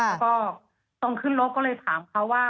แล้วก็ตอนขึ้นรถก็เลยถามเขาว่า